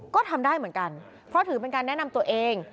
ก็ทำได้เหมือนกันเพราะถือเป็นการแนะนำตัวเอง